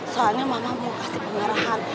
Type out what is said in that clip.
soalnya mama mau kasih pengarahan